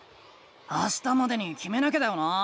あしたまでにきめなきゃだよな？